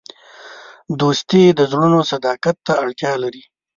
دوستي د زړونو صداقت ته اړتیا لري.